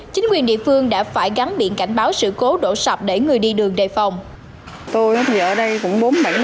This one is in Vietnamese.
chính quyền địa phương đã phải gắn biển cảnh báo sự cố đổ sập để người đi đường đề phòng